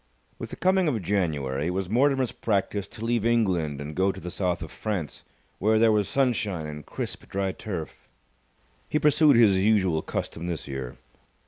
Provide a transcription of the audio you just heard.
With the coming of January, it was Mortimer's practice to leave England and go to the South of France, where there was sunshine and crisp dry turf. He pursued his usual custom this year.